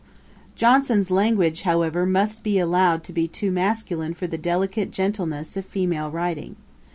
Johnson's language, however, must be allowed to be too masculine for the delicate gentleness of female writing.